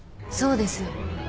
そうですよ。